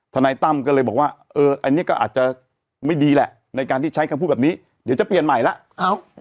นายตั้มก็เลยบอกว่าเอออันนี้ก็อาจจะไม่ดีแหละในการที่ใช้คำพูดแบบนี้เดี๋ยวจะเปลี่ยนใหม่แล้ว